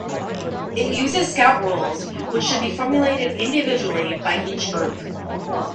It uses Scout rules, which should be formulated individually by each group.